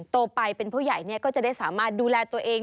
โตไปเป็นผู้ใหญ่ก็จะได้สามารถดูแลตัวเอง